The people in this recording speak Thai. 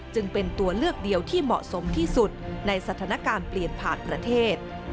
จึงเป็นตัวเลือกเดียวที่เหมาะสมที่สุดในสถานการณ์เปลี่ยนผ่านประเทศ